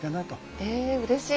えうれしい。